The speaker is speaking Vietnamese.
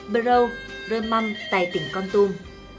bro rê mâm tại tỉnh con tum